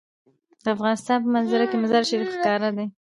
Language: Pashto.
د افغانستان په منظره کې مزارشریف ښکاره ده.